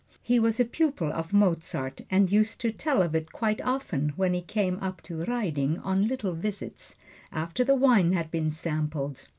He was a pupil of Mozart, and used to tell of it quite often when he came up to Raiding on little visits, after the wine had been sampled.